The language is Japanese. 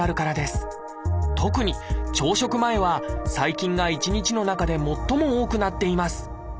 特に朝食前は細菌が一日の中で最も多くなっています